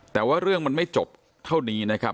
แต่ว่าเรื่องมันไม่จบเท่านี้นะครับ